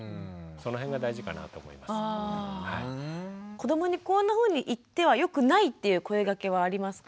子どもにこんなふうに言ってはよくないっていう声がけはありますか？